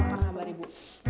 apa kabar ibu